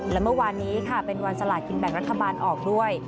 และเมื่อวานนี้ค่ะเป็นวันสลากินแบ่งรัฐบาลออกด้วย